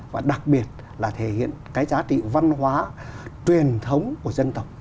và đặc biệt là thể hiện cái giá trị văn hóa truyền thống của dân tộc